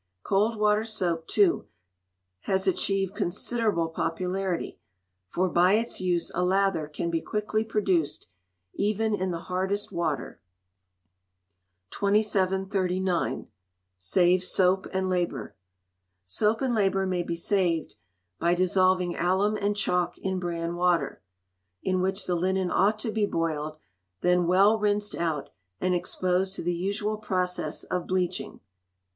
Cold water soap, too, has achieved considerable popularity, for by its use a lather can be quickly produced, even in the hardest water. 2739. Save Soap and Labour. Soap and labour may he saved by dissolving alum and chalk in bran water, in which the linen ought to be boiled, then well rinsed out, and exposed to the usual process of bleaching.